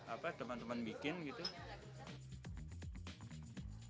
apa teman teman bikin gitu